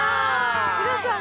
皆さん